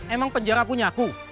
emang penjara punya aku